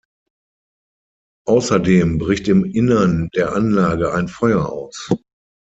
Außerdem bricht im Innern der Anlage ein Feuer aus.